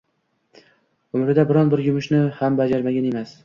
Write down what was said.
Umrida biron-bir yumushni ham bajargan emas.